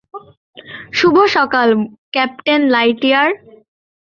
শুভ সকাল, captain Lightyear.